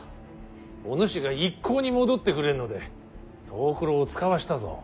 おぬしが一向に戻ってくれんので藤九郎を遣わしたぞ。